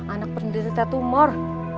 anak pendidik tetumor